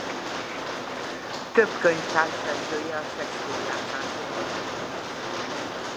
Több könyv társszerzője a Shakespeare-játszásról.